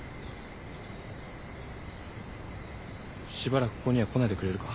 しばらくここには来ないでくれるか。